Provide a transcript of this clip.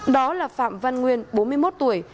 đó là phạm văn nguyên bốn mươi một tuổi